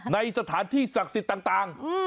ในสถานที่ศักดิ์สิทธิ์ต่าง